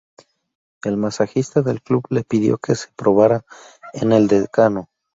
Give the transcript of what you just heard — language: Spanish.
El masajista del club le pidió que se probara en el "decano".